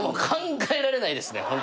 考えられないですね